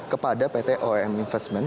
kepada pt oem investment